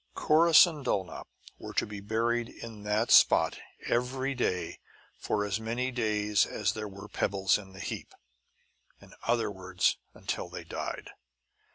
Corrus and Dulnop were to be buried in that spot every day for as many days as there were pebbles in the heap; in other words, until they died.